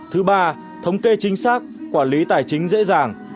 thứ ba thống kê chính xác quản lý tài chính dễ dàng